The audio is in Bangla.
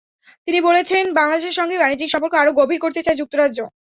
তিনি বলেছেন, বাংলাদেশের সঙ্গে বাণিজ্যিক সম্পর্ক আরও গভীর করতে চায় যুক্তরাজ্য।